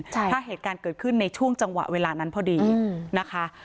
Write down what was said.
ถ้าเหตุการณ์เกิดขึ้นในช่วงจังหวะเวลานั้นพอดีนะคะ